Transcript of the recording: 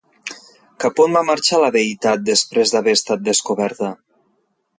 Cap on va marxar la deïtat després d'haver estat descoberta?